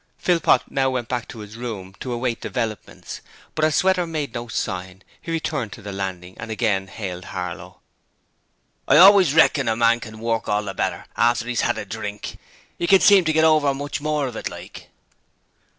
Philpot now went back to his room to await developments: but as Sweater made no sign, he returned to the landing and again hailed Harlow. 'I always reckon a man can work all the better after 'e's 'ad a drink: you can seem to get over more of it, like.'